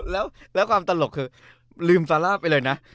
แล้วความตลกคือลืมซาร่าไปเลยนะ